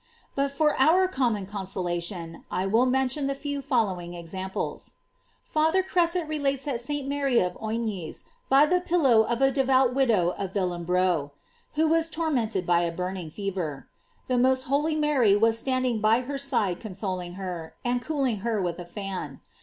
But for our common consolation, I will mention the few following examples. Fath er Crasset relatesf that St. Mary of Oignies saw the blessed Virgin by the pillow of a devout widow of Villembroe, who was tormented by a burning fever. The most holy Mary was stand ing by her side consoling her, and cooling her with a fan.